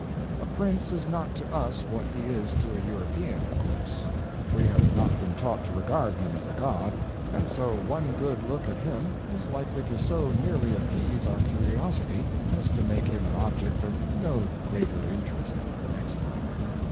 A prince is not to us what he is to a European, of course. We have not been taught to regard him as a god, and so one good look at him is likely to so nearly appease our curiosity as to make him an object of no greater interest the next time.